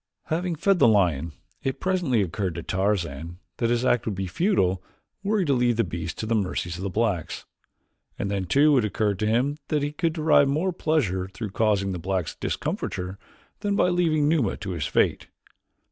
Having fed the lion, it presently occurred to Tarzan that his act would be futile were he to leave the beast to the mercies of the blacks, and then too it occurred to him that he could derive more pleasure through causing the blacks discomfiture than by leaving Numa to his fate.